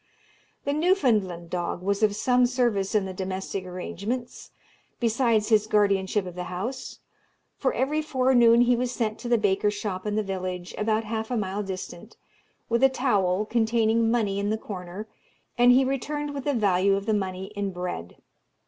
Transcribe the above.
The Newfoundland dog was of some service in the domestic arrangements, besides his guardianship of the house; for every forenoon he was sent to the baker's shop in the village, about half a mile distant, with a towel containing money in the corner, and he returned with the value of the money in bread.